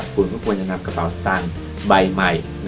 คุณก็ควรจะนำกระเป๋าสตางค์ใบใหม่